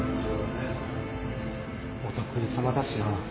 お得意様だしな。